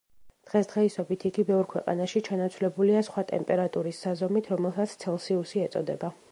დღეს დღეისობით იგი ბევრ ქვეყანაში ჩანაცვლებულია სხვა ტემპერატურის საზომით რომელსაც ცელსიუსი ეწოდება.